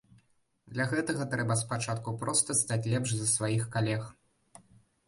Для гэтага трэба спачатку проста стаць лепш за сваіх калег.